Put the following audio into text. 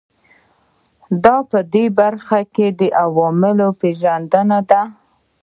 دا په دې برخه کې د عواملو پېژندنه ده.